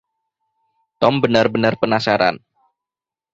Tom benar-benar penasaran.